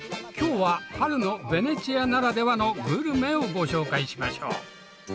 今日は春のベネチアならではのグルメをご紹介しましょう。